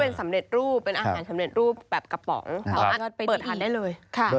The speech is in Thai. เหมือนรูปแบบกระป๋อง